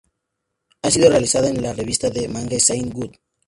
Ha sido serializada en la revista de manga "seinen", "Good!